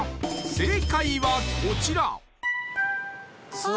正解はこちらあ